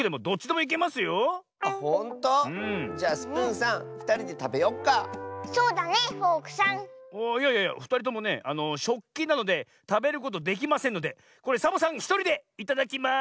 いやいやふたりともねしょっきなのでたべることできませんのでこれサボさんひとりでいただきます！